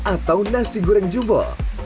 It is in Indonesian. atau nasi goreng jumbo